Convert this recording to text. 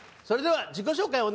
それでは自己紹介